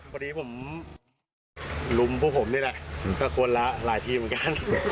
พอดีผมลุมพวกผมนี่แหละก็คนละหลายทีเหมือนกัน